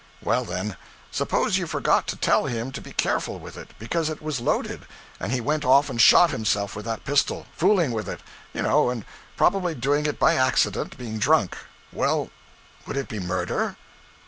'Well, then, suppose you forgot to tell him to be careful with it, because it was loaded, and he went off and shot himself with that pistol fooling with it, you know, and probably doing it by accident, being drunk. Well, would it be murder?'